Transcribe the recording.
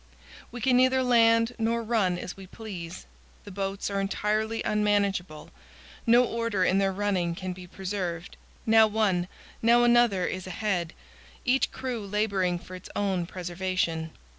We can neither land nor run as we please. The boats are entirely unmanageable; no order in their running can be preserved; now one, now another, is ahead, each crew laboring for its own preservation.